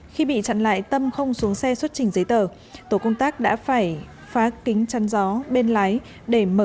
khi bị chặn lại tâm không xuống xe xuất trình giấy tờ